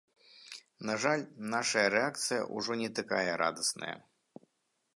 На жаль, нашая рэакцыя ўжо не такая радасная.